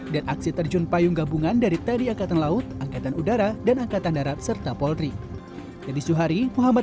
dan aksi terjun payung gabungan dari tni angkatan laut angkatan udara dan angkatan darat serta polri